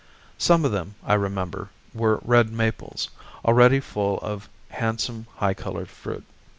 Some of them, I remember, were red maples, already full of handsome, high colored fruit.